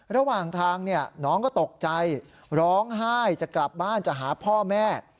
ระหว่างทางน้องก็ตกใจร้องไห้จะกลับบ้านจะหาพ่อแม่